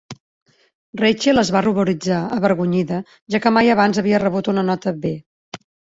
Rachel es va ruboritzar, avergonyida, ja que mai abans havia rebut una nota B.